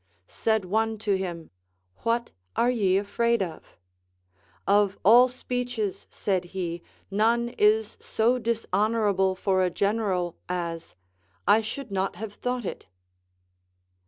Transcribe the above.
Said one to him, What are ye afraid of? Of all speeches, said he, none is so dishonorable for a general, as I should not have thought it.